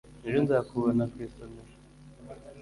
Ejo nzakubona ku isomero.